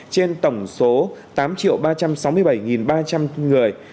trên tổng số tám ba trăm sáu mươi bảy ba trăm linh người